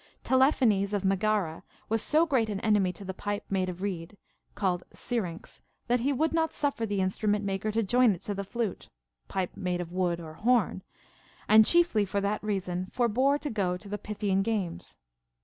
Tele phanes of Megara was so great an enemy to the pipe made of reed (called syrinx), that he would not suffer the instru ment maker to join it to the flute (pipe made of wood or horn), and chiefly for that reason forbore to go to the Py thian games.